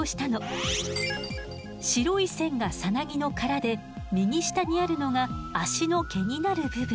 白い線がさなぎの殻で右下にあるのが足の毛になる部分。